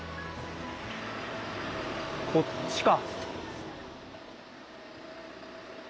こっちか。